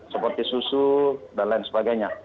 seperti susu dan lain sebagainya